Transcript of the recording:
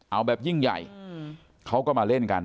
เอาแบบยิ่งใหญ่เขาก็มาเล่นกัน